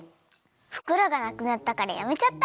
ふくろがなくなったからやめちゃった！